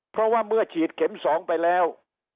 เพราะว่าเมื่อฉีดเข็ม๒ไปแล้ว